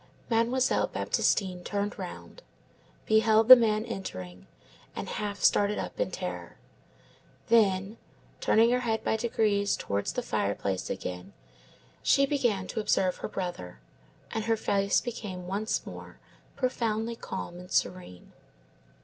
Mademoiselle Baptistine turned round, beheld the man entering, and half started up in terror; then, turning her head by degrees towards the fireplace again, she began to observe her brother, and her face became once more profoundly calm and serene.